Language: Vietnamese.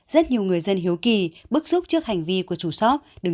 rất nhiều người dân hiếu kỳ bức xúc trước hành vi của chủ shop